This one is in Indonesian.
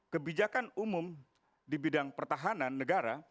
kebijakan umum di bidang pertahanan negara